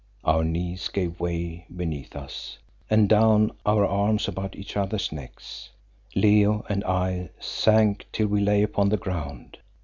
Our knees gave way beneath us, and down, our arms about each other's necks, Leo and I sank till we lay upon the ground.